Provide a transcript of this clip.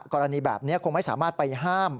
กรณีแบบนี้คงไม่สามารถไปห้าม